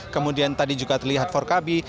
kemudian tadi juga terlihat forkabi